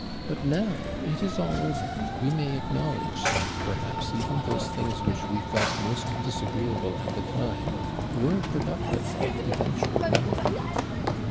But, now it is all over, we may acknowledge that, perhaps, even those things which we felt most disagreeable at the time were productive of eventual benefit.